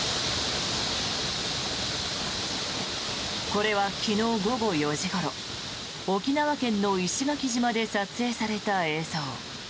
これは昨日午後４時ごろ沖縄県の石垣島で撮影された映像。